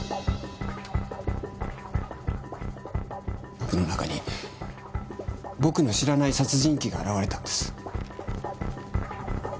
僕の中に僕の知らない殺人鬼が現れたんです。